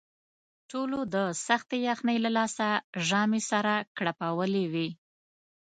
ټولو د سختې یخنۍ له لاسه ژامې سره کړپولې وې.